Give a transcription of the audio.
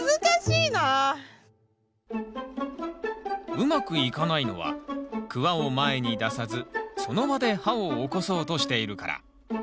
うまくいかないのはクワを前に出さずその場で刃を起こそうとしているから。